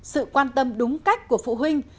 sự quan tâm đúng cách của phụ huynh